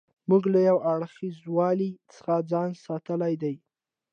موږ له یو اړخیزوالي څخه ځان ساتلی دی.